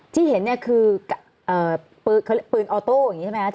ที่เห็นคือเค้าเรียกเปลือนออโต้อย่างนี้ใช่ไหมอาจารย์